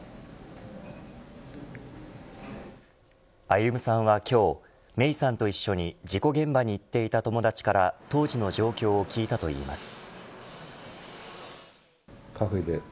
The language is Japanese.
歩さんは今日芽生さんと一緒に事故現場に行っていた友達から当時の状況を聞いたといいます。